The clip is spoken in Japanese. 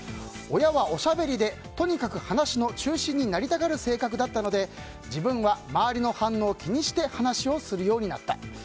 親はおしゃべりでとにかく話の中心になりたがる性格だったので自分は周りの反応を気にして話をするようになった。